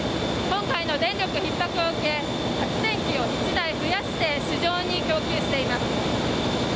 今回の電力ひっ迫を受け発電機を１台増やして地上に供給しています。